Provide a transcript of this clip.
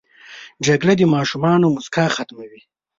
جګړه د ماشومانو موسکا ختموي